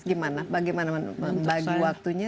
bagaimana bagaimana membagi waktunya